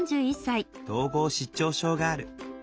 統合失調症がある。